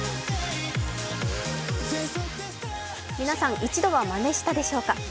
皆さん、一度はまねしたでしょうか。